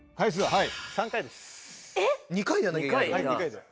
はい。